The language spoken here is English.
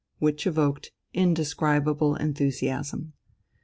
which evoked indescribable enthusiasm.